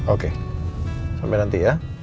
oke sampai nanti ya